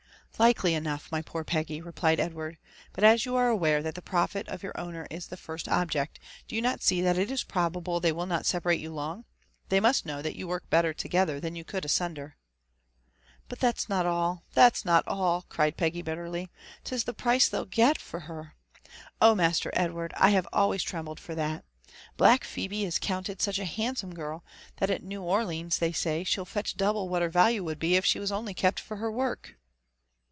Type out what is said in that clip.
"Likely enough, my poor Peggy," replied Edward ;but, as yoa are aware that the profit of your owner is the first deject, do you not aee that it is probable they will not separate you long? They must know that you work better together than you could asunder." ''But that's not all— that's not all \" cried Peggy bitterly ;'' 'tis the price they'll get for her !— ^Oh, Master Edward, I have always trem bled for that 1 Black Phebe is counted such a handsome girl, that at New Orlines, they say, she'd fetch double what her value would be if she was only kept for her work.